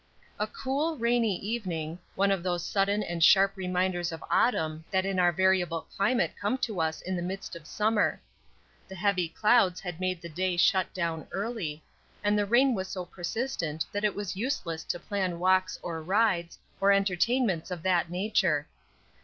A COOL, rainy evening, one of those sudden and sharp reminders of autumn that in our variable climate come to us in the midst of summer. The heavy clouds had made the day shut down early, and the rain was so persistent that it was useless to plan walks or rides, or entertainments of that nature.